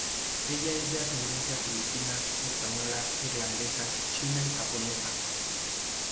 Ella es de ascendencia Filipina, española, irlandesa, china y japonesa.